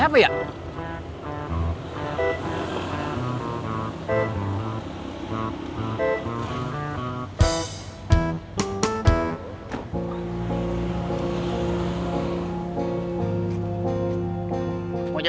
sangka dia ketikikan aja